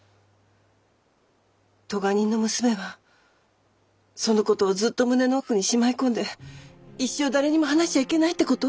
咎人の娘はその事をずっと胸の奥にしまい込んで一生誰にも話しちゃいけないって事？